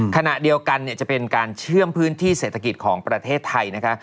ขณะเดียวกันจะเป็นการเชื่อมพื้นที่เศรษฐกิจของประเทศไทยนะคะ